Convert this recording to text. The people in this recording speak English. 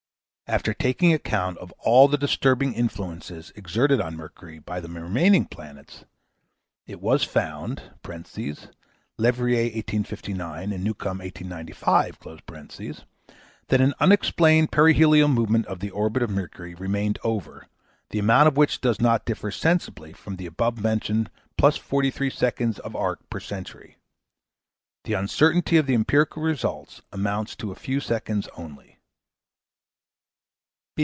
After taking account of all the disturbing influences exerted on Mercury by the remaining planets, it was found (Leverrier: 1859; and Newcomb: 1895) that an unexplained perihelial movement of the orbit of Mercury remained over, the amount of which does not differ sensibly from the above mentioned +43 seconds of arc per century. The uncertainty of the empirical result amounts to a few seconds only.